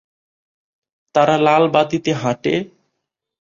তারা লাল বাতিতে হাঁটে?